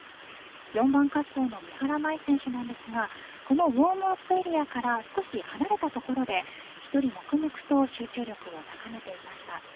４番滑走の三原舞依選手なんですがこのウォームアップエリアから少し離れた所で１人黙々と集中力を高めていました。